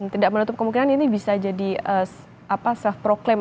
tidak menutup kemungkinan ini bisa jadi self proclaim